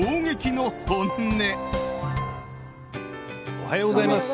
おはようございます。